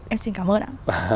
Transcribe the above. em xin cảm ơn ạ